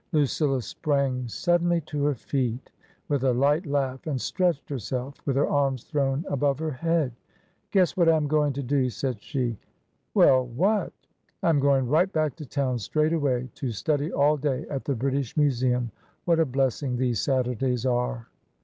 Lucilla sprang suddenly to her feet with a light laugh and stretched herself, with her arms thrown above her head. " Guess what I am going to do," said she. " Well, what ?"" I am going right back to town straight away, to study all day at the British Museum. What a blessing these Saturdays are